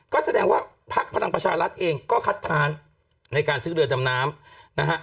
ก็แสดงว่าพักพลังประชารัฐเองก็คัดค้านในการซื้อเรือดำน้ำนะฮะ